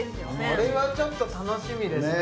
これはちょっと楽しみですね